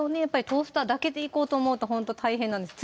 トースターだけでいこうと思うとほんと大変なんです